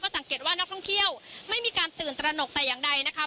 สังเกตว่านักท่องเที่ยวไม่มีการตื่นตระหนกแต่อย่างใดนะคะ